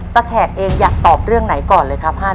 พระแขกเองอยากตอบเรื่องไหนก่อนเลยครับ๕เรื่อง